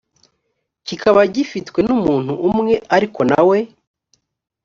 kikaba gifitwe n umuntu umwe ari na we